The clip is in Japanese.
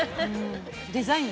デザイン。